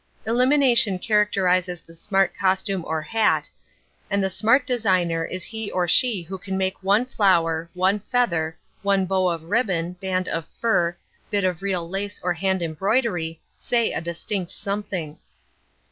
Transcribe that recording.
Elimination characterises the smart costume or hat, and the smart designer is he or she who can make one flower, one feather, one bow of ribbon, band of fur, bit of real lace or hand embroidery, say a distinct something.